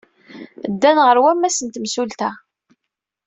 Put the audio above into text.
Ddan ɣer wammas n temsulta.